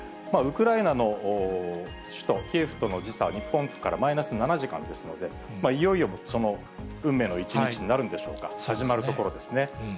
ウクライナの首都キエフとの時差、日本からマイナス７時間ですので、いよいよその運命の一日になるんでしょうか、始まるところですね。